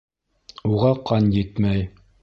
Уға ҡан етмәй.